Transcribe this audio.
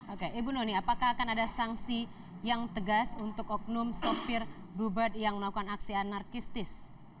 oke ibu noni apakah akan ada sanksi yang tegas untuk oknum sopir bluebird yang melakukan aksi anarkistis